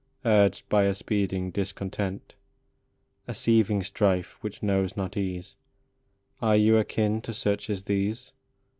Urged by a speeding discontent, A seething strife which knows not ease, Are you akin to such as these